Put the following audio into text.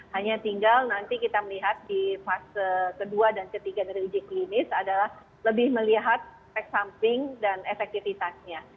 hanya tinggal nanti kita melihat di fase kedua dan ketiga dari uji klinis adalah lebih melihat efek samping dan efektivitasnya